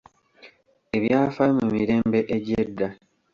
Ebyafaayo mu mirembe egy'edda.